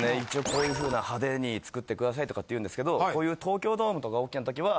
こういうふうな派手に作ってくださいとかって言うんですけどこういう東京ドームとか大きなときは。